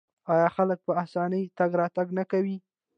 آیا خلک په اسانۍ تګ راتګ نه کوي؟